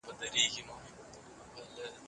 که په ټولنه کې سوله وي، نو ارزښتناکه ژوند به ولرو.